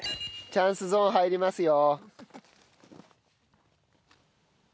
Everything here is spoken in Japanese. チャンスゾーン入りますよ。